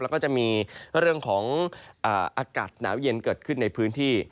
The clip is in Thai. แล้วก็จะมีเรื่องของอากาศหนาวเย็นเกิดขึ้นในพื้นที่